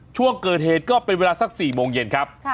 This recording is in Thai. ช่วงเกิดเหตุก็เป็นเวลาสัก๔โมงเย็นครับ